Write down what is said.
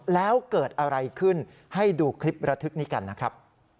แล้วเกิดอะไรขึ้นให้ดูคลิประทึกนี้กันนะครับ